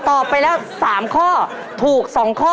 ตอบไปแล้ว๓ข้อถูก๒ข้อ